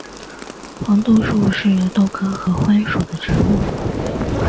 黄豆树是豆科合欢属的植物。